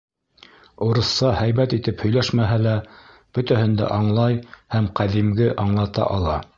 Урыҫса һәйбәт итеп һөйләшмәһә лә, бөтәһен дә аңлай һәм ҡәҙимге аңлата ала.